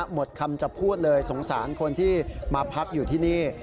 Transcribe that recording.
หมดคำจะพูดเลยสงสารคนที่มาพักอยู่ที่นี่